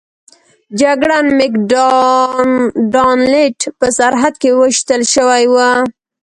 جګړن مک ډانلډ په سرحد کې ویشتل شوی و.